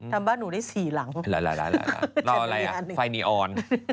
บ้านหนูได้๔หลังรออะไรอ่ะไฟนีออน